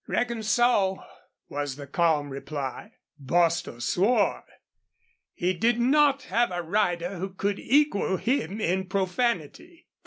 "Reckon so," was the calm reply. Bostil swore. He did not have a rider who could equal him in profanity.